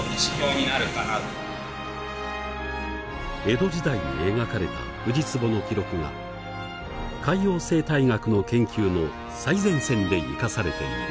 江戸時代に描かれたフジツボの記録が海洋生態学の研究の最前線で生かされている。